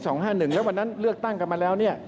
แล้ววันนั้นเลือกตั้งกันมาแล้ว